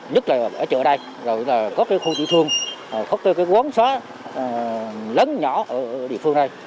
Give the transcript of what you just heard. nhất là ở chợ đây có khu trị thương có quấn xóa lớn nhỏ ở địa phương đây